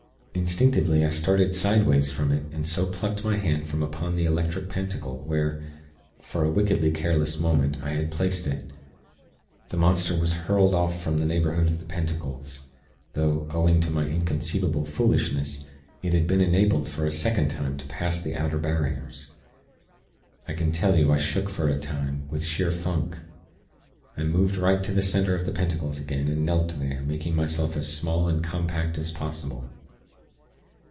Instinctively, I started sideways from it, and so plucked my hand from upon the Electric Pentacle, where for a wickedly careless moment I had placed it. The monster was hurled off from the neighborhood of the pentacles; though owing to my inconceivable foolishness it had been enabled for a second time to pass the outer barriers. I can tell you, I shook for a time, with sheer funk. I moved right to the center of the pentacles again, and knelt there, making myself as small and compact as possible.